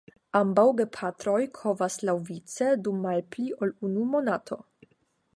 Ambaŭ gepatroj kovas laŭvice dum malpli ol unu monato.